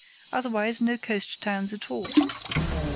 Otherwise, no coast towns at all.